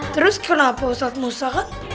terus kenapa ustadz musa kan